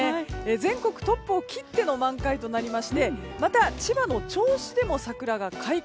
全国トップを切っての満開でまた千葉の銚子でも桜が開花。